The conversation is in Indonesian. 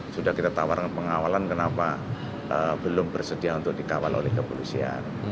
sudah kita tawarkan pengawalan kenapa belum bersedia untuk dikawal oleh kepolisian